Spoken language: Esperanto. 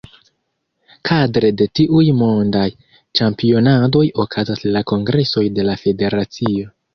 Kadre de tiuj mondaj ĉampionadoj okazas la kongresoj de la federacio.